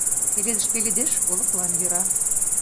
Пеледыш пеледеш — олыклан йӧра